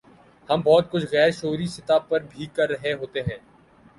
ہم بہت کچھ غیر شعوری سطح پر بھی کر رہے ہوتے ہیں۔